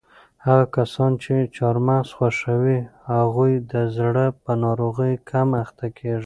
هغه کسان چې چهارمغز خوښوي هغوی د زړه په ناروغیو کم اخته کیږي.